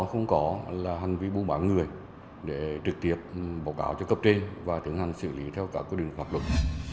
không có là hành vi bù bán người để trực tiếp báo cáo cho cấp t và tưởng hành xử lý theo các quy định hoạt động